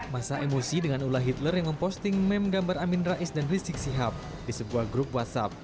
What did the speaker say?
masa emosi dengan ulah hitler yang memposting meme gambar amin rais dan rizik sihab di sebuah grup whatsapp